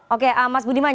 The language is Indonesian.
oke mas budiman